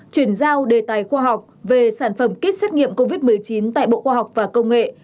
chuyển giao đề tài khoa học về sản phẩm kit xét nghiệm covid một mươi chín tại bộ khoa học và công nghệ